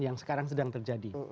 yang sekarang sedang terjadi